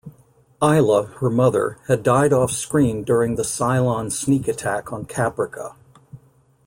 Ila, her mother, had died off screen during the Cylon sneak attack on Caprica.